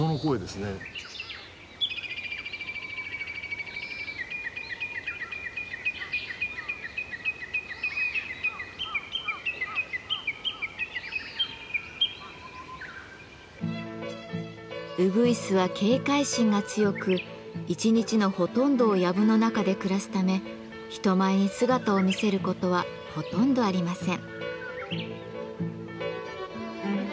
うぐいすは警戒心が強く１日のほとんどをやぶの中で暮らすため人前に姿を見せることはほとんどありません。